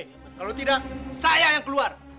kalau tidak saya yang keluar